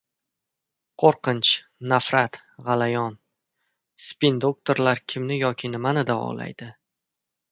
Qo‘rqinch, nafrat, g‘alayon... Spin doktorlar kimni yoki nimani davolaydi?